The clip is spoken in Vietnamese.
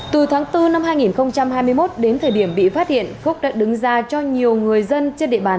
từ tháng bốn năm hai nghìn hai mươi một đến thời điểm bị phát hiện phúc đã đứng ra cho nhiều người dân trên địa bàn